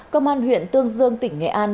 công an huyện tương dương tỉnh nghệ an